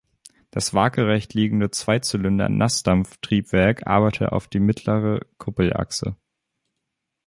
Das waagerecht liegende Zweizylinder-Naßdampftriebwerk arbeitete auf die mittlere Kuppelachse.